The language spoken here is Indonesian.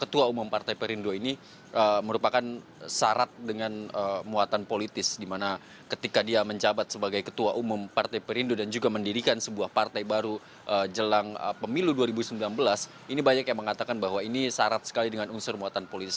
ketua umum partai perindo ini merupakan syarat dengan muatan politis dimana ketika dia menjabat sebagai ketua umum partai perindo dan juga mendirikan sebuah partai baru jelang pemilu dua ribu sembilan belas ini banyak yang mengatakan bahwa ini syarat sekali dengan unsur muatan politis